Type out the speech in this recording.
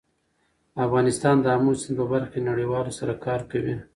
افغانستان د آمو سیند په برخه کې نړیوالو سره کار کوي.